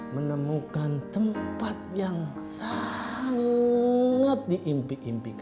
menemukan tempat yang sangat diimpi impikan